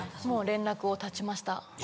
もう連絡を断ちました。